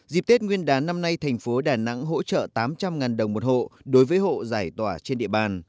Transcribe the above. dịp tết nguyên đán năm nay thành phố đà nẵng hỗ trợ tám trăm linh đồng một hộ đối với hộ giải tỏa trên địa bàn